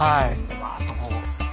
わぁっとこう。